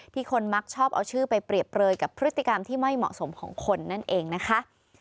คนมักชอบเอาชื่อไปเปรียบเปลยกับพฤติกรรมที่ไม่เหมาะสมของคนนั่นเองนะคะ